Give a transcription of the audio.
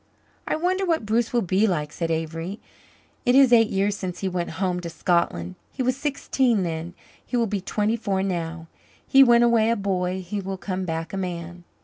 "I wonder what Bruce will be like," said Avery. "It is eight years since he went home to Scotland. He was sixteen then he will be twenty four now. He went away a boy he will come back a man."